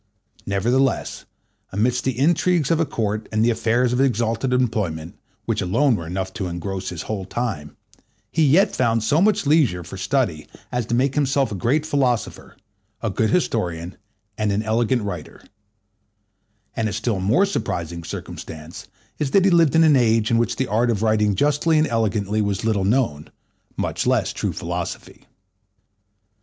Nevertheless, amidst the intrigues of a Court, and the affairs of his exalted employment, which alone were enough to engross his whole time, he yet found so much leisure for study as to make himself a great philosopher, a good historian, and an elegant writer; and a still more surprising circumstance is that he lived in an age in which the art of writing justly and elegantly was little known, much less true philosophy.